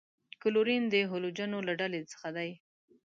کلورین د هلوجنو له ډلې څخه دی.